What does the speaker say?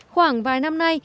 khoảng vài năm nay